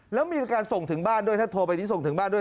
แล้วมีการส่งถึงบ้านด้วยถ้าโทรไปที่ส่งถึงบ้านด้วย